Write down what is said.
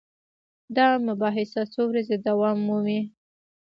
دا مباحثه څو ورځې دوام مومي.